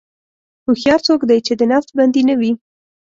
هوښیار څوک دی چې د نفس بندي نه وي.